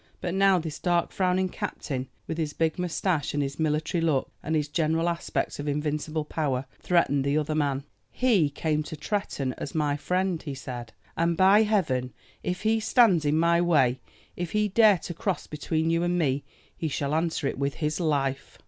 But now this dark frowning captain, with his big mustache and his military look, and his general aspect of invincible power, threatened the other man. "He came to Tretton as my friend," he said, "and by Heaven if he stands in my way, if he dare to cross between you and me, he shall answer it with his life!"